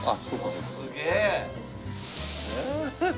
すげえ！